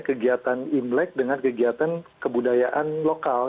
kegiatan imlek dengan kegiatan kebudayaan lokal